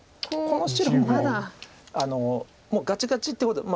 この白ももうガチガチってほど。